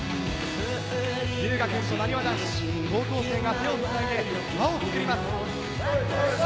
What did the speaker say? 龍芽くんと、なにわ男子、高校生が手を繋いで輪を作ります。